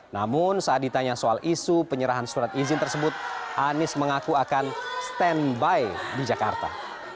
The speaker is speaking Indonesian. namun saat ditanya soal isu penyerahan surat izin tersebut anies mengaku akan standby di jakarta